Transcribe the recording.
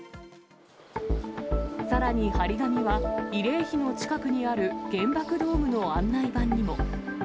さらに貼り紙は、慰霊碑の近くにある原爆ドームの案内板にも。